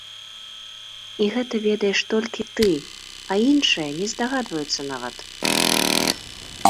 І гэта ведаеш толькі ты, а іншыя не здагадваюцца нават.